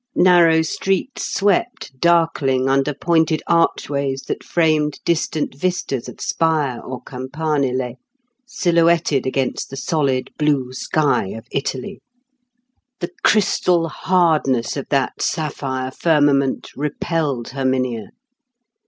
Narrow streets swept, darkling, under pointed archways, that framed distant vistas of spire or campanile, silhouetted against the solid blue sky of Italy. The crystal hardness of that sapphire firmament repelled Herminia.